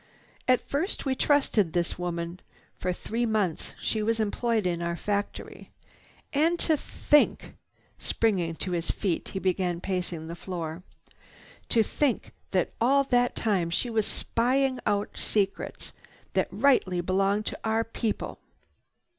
"At first we trusted this woman. For three months she was employed in our factory. And to think—" springing to his feet, he began pacing the floor. "To think that all that time she was spying out secrets that rightly belong to our people!